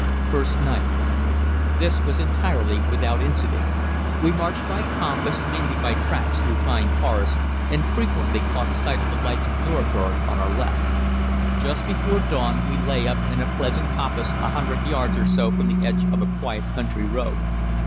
First Night. This was entirely without incident; we marched by compass, mainly by tracks through pine forests, and frequently caught sight of the lights of Nüremberg on our left. Just before dawn we lay up in a pleasant coppice a hundred yards or so from the edge of a quiet country road.